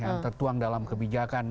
yang tertuang dalam kebijakan